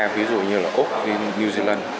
ví dụ như là úc new zealand